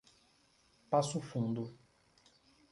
Passo Fundo